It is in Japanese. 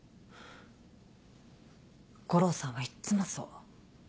悟郎さんはいっつもそう。